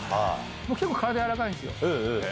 僕、結構、体軟らかいんですよ。